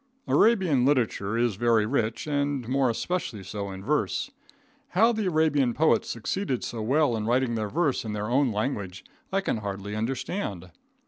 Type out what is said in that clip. Arabian literature is very rich, and more especially so in verse. How the Arabian poets succeeded so well in writing their verse in their own language, I can hardly understand.